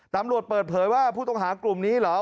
ตำรวจเปิดเผยว่าผู้ต้องหากลุ่มนี้เหรอ